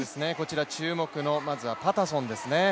注目のパタソンですね。